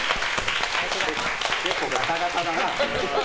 結構ガタガタだな。